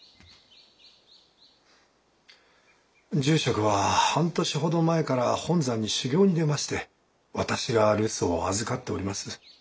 住職は半年ほど前から本山に修行に出まして私が留守を預かっております。